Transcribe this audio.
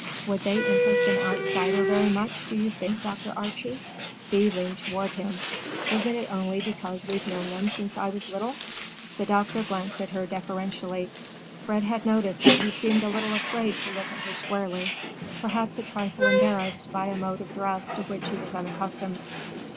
"Would they interest an outsider very much, do you think, Dr. Archie?" Thea leaned toward him. "Isn't it only because we've known them since I was little?" The doctor glanced at her deferentially. Fred had noticed that he seemed a little afraid to look at her squarely—perhaps a trifle embarrassed by a mode of dress to which he was unaccustomed.